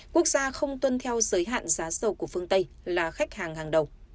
quốc gia không tuân theo giới hạn giá dầu của phương tây là khách hàng hàng đầu